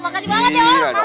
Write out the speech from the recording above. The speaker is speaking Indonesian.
makasih banget om